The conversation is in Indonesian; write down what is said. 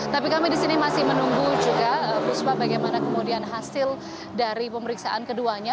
tapi kami di sini masih menunggu juga puspa bagaimana kemudian hasil dari pemeriksaan keduanya